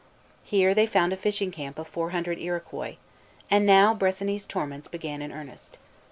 Here they found a fishing camp of four hundred Iroquois, and now Bressani's torments began in earnest.